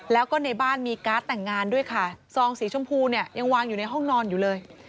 แล้วก็ในบ้านมีการ์ดแต่งงานด้วยค่ะซองสีชมพูเนี่ยยังวางอยู่ในห้องนอนอยู่เลย